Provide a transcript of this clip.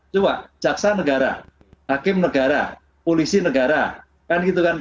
coba jaksa negara hakim negara polisi negara